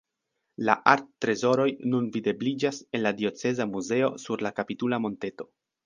La arttrezoroj nun videbliĝas en la Dioceza Muzeo sur la kapitula monteto.